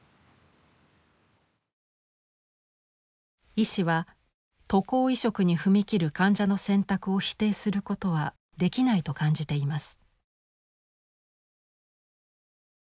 医師は渡航移植に踏み切る患者の選択を否定することはできないと感じています。